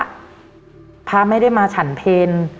พระอาจารย์ไม่ได้มาฉั่นเพลน